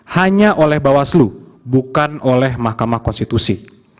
hanya oleh bawaslu bukan oleh mahkamah konstitusi